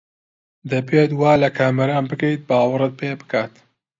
دەبێت وا لە کامەران بکەیت باوەڕت پێ بکات.